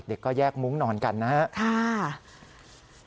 เด็กก็แยกมุ้งนอนกันนะครับ